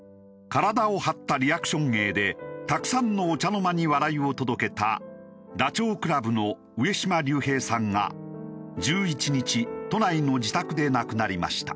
体を張ったリアクション芸でたくさんのお茶の間に笑いを届けたダチョウ倶楽部の上島竜兵さんが１１日都内の自宅で亡くなりました。